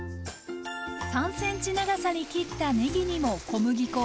３ｃｍ長さに切ったねぎにも小麦粉をまぶします。